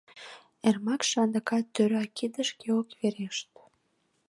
Эрмакше адакат тӧра кидышке ок верешт.